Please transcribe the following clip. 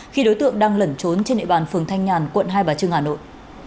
khi đối tượng đang lẩn trốn trên địa bàn phường thanh nhàn quận hai bà trưng hà nội